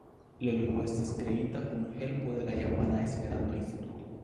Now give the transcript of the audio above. La ludo estis kreita kun helpo de la Japana Esperanto-Instituto.